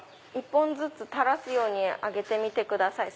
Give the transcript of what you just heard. １本ずつ垂らすようにあげてみてください。